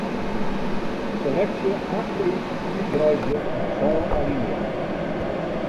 Seleksje achterút útwreidzje mei sân alinea's.